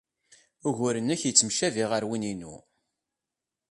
Ugur-nnek yettemcabi ɣer win-inu.